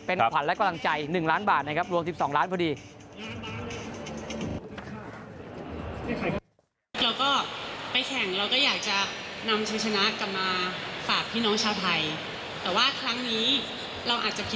เป็นขวัญและกำลังใจ๑ล้านบาทนะครับรวม๑๒ล้านพอดี